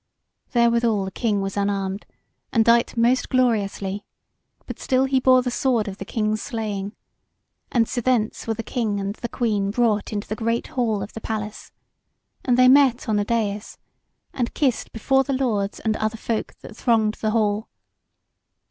Therewithal the King was unarmed, and dight most gloriously, but still he bore the Sword of the King's Slaying: and sithence were the King and the Queen brought into the great hall of the palace, and they met on the dais, and kissed before the lords and other folk that thronged the hall.